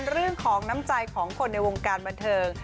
เรื่องของน้ำใจของคนในวงการบันเทิง